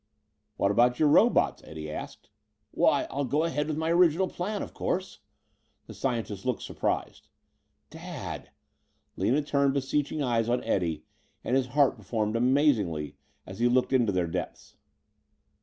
"What about your robots?" Eddie asked. "Why, I'll go ahead with my original plans, of course." The scientist looked surprised. "Dad!" Lina turned beseeching eyes on Eddie and his heart performed amazingly as he looked into their depths.